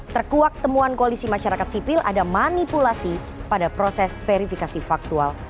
terkuak temuan koalisi masyarakat sipil ada manipulasi pada proses verifikasi faktual